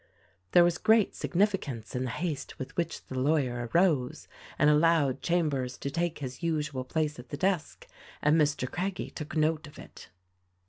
There was great significance in the haste with which the lawyer arose and allowed Chambers to take his usual place at the desk, and Mr. Craggie took note of it.